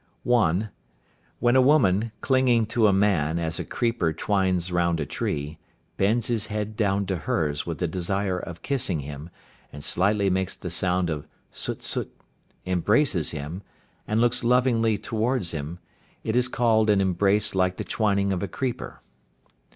(1). When a woman, clinging to a man as a creeper twines round a tree, bends his head down to hers with the desire of kissing him and slightly makes the sound of sut sut, embraces him, and looks lovingly towards him, it is called an embrace like the "twining of a creeper."